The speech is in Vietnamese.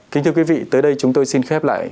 kính thưa quý vị tới đây chúng tôi xin khép lại